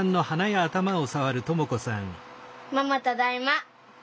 ママただいま。